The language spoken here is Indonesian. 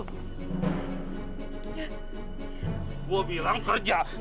gue bilang kerja kerja lu